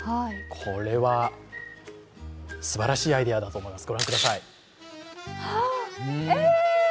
これはすばらしいアイデアだと思います、御覧ください。